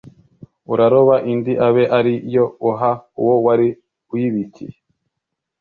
uraroba indi abe ari yo uha uwo wari uyibikiye